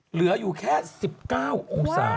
เหลืออยู่แค่๑๙อุตส่าห์